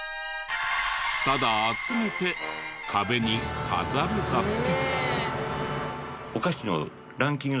ただ集めて壁に飾るだけ。